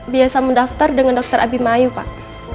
biasa mendaftar dengan dr abimayu pak